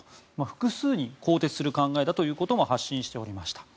複数人、更迭する考えだということも発信しておりました。